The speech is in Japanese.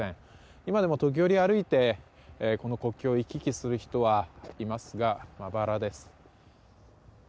今でも時折、歩いてこの国境を行き来する人はいますがまばらです。